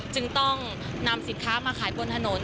จึงต้องนำสินค้ามาขายบนถนน